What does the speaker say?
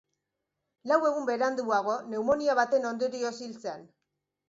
Lau egun beranduago, pneumonia baten ondorioz hil zen.